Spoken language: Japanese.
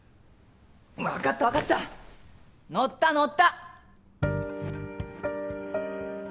わかったわかった乗った乗った。